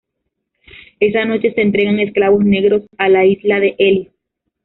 Esa noche se entregan esclavos negros a la isla de Ellis.